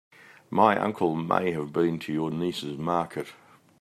My uncle may have been to your niece's market.